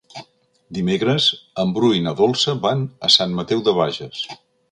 Dimecres en Bru i na Dolça van a Sant Mateu de Bages.